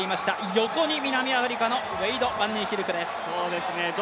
横に南アフリカのバンニーキルクです。